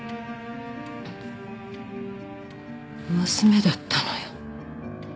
娘だったのよ。